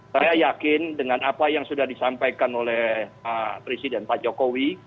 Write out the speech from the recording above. saya yakin dengan apa yang sudah disampaikan oleh pak presiden pak jokowi